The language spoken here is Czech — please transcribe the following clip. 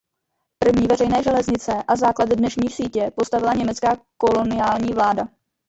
První veřejné železnice a základ dnešní sítě postavila německá koloniální vláda.